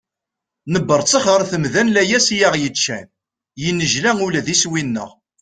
Nebberttex ɣer temda n layas i aɣ-yeččan, yennejla ula d iswi-nneɣ.